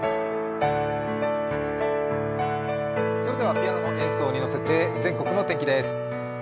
ピアノの演奏に乗せて全国の天気です。